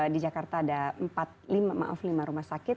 di jakarta ada empat maaf lima rumah sakit